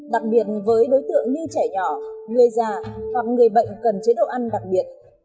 đặc biệt với đối tượng như trẻ nhỏ người già hoặc người bệnh cần chế độ ăn đặc biệt